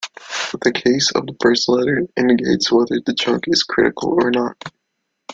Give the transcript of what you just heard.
The case of the first letter indicates whether the chunk is critical or not.